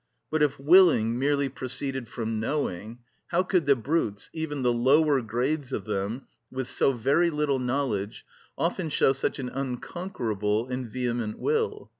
But if willing merely proceeded from knowing, how could the brutes, even the lower grades of them, with so very little knowledge, often show such an unconquerable and vehement will?